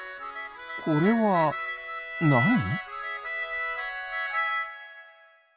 これはなに？